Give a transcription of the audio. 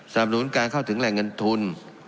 หนุนการเข้าถึงแหล่งเงินทุน